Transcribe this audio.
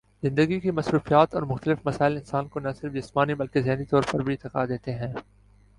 زندگی کی مصروفیات اور مختلف مسائل انسان کو نہ صرف جسمانی بلکہ ذہنی طور پر بھی تھکا دیتے ہیں